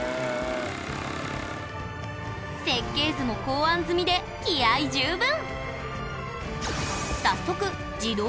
設計図も考案済みで気合い十分！